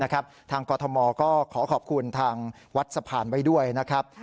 ทางกรทมก็ขอขอบคุณทางวัดสะพานไว้ด้วยนะครับ